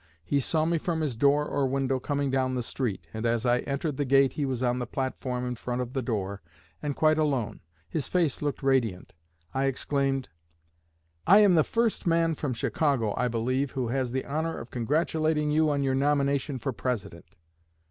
He saw me from his door or window coming down the street, and as I entered the gate he was on the platform in front of the door, and quite alone. His face looked radiant. I exclaimed: 'I am the first man from Chicago, I believe, who has the honor of congratulating you on your nomination for President.'